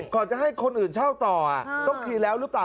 ก่อนจะให้คนอื่นเช่าต่อต้องคืนแล้วหรือเปล่า